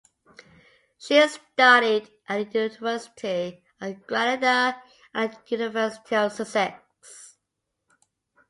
She studied at the University of Granada and at the University of Sussex.